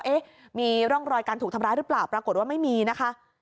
เอ๊ะมีร่องรอยการถูกทำร้ายหรือเปล่าปรากฏว่าไม่มีนะคะ